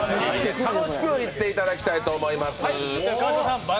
楽しくいっていただきたいと思います。